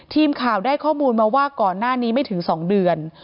ทีมข่าวได้ข้อมูลมาว่าก่อนหน้านี้ไม่ถึง๒เดือน